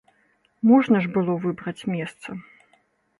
Можна ж было выбраць месца.